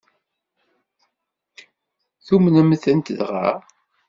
Tumnem-tent dɣa?